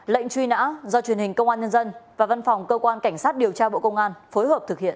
lệnh truy nã do truyền hình công an nhân dân và văn phòng cơ quan cảnh sát điều tra bộ công an phối hợp thực hiện